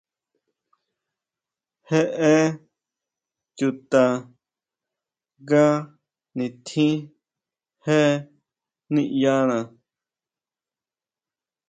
Jeʼe chuta nga nitjín je niʼyana.